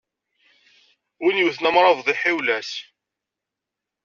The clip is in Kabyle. Win yewten amrabeḍ iḥiwel-as.